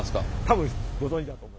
多分ご存じだと。